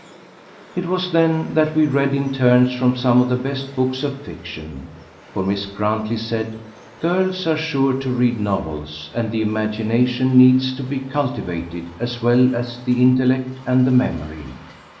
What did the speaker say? It was then that we read in turns from some of the best books of fiction; for Miss Grantley said, "Girls are sure to read novels, and the imagination needs to be cultivated as well as the intellect and the memory."